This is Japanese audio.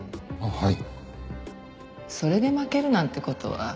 はい。